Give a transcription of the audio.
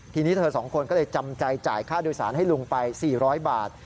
ทีนี้เธอ๒คนก็เลยจำใจจ่ายค่าโดยสารให้ลุงไป๔๐๐บาท